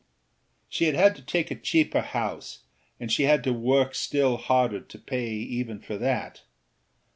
She had had to take a cheaper house and she had to work still harder to pay even for that.